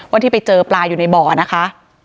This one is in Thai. ที่ไปเจอปลาอยู่ในบ่อนะคะ